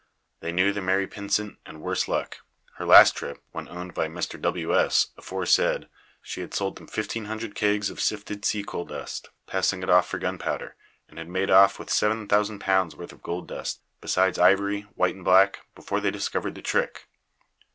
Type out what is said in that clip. They knew the Mary Pynsent, and worse luck. Her last trip, when owned by Mr. W. S., aforesaid, she had sold them 1500 kegs of sifted sea coal dust, passing it off for gunpowder, and had made off with 7000 pounds worth of gold dust, besides ivory, white and black, before they discovered the trick.